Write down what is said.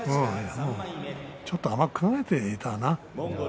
ちょっと甘く考えていたな。